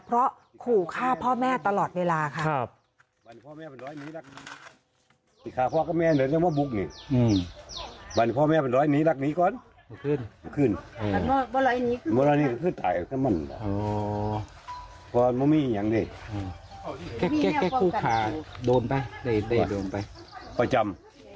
เพราะขู่ฆ่าพ่อแม่ตลอดเวลาค่ะ